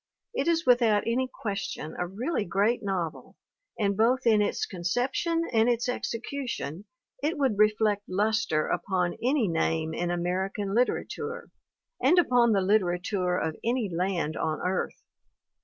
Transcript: It is without any question a really great novel and both in its conception and its execu tion it would reflect luster upon any name in American literature and upon the literature of any land on earth.